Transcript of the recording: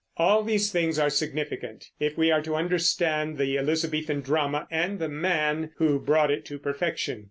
All these things are significant, if we are to understand the Elizabethan drama and the man who brought it to perfection.